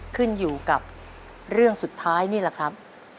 ขึ้นอยู่กับเรื่องสุดท้ายนี่แหละครับ